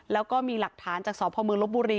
แล้วก็มีหลักฐานจากสพมลบบุรี